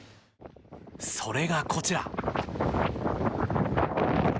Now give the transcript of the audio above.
それが、こちら！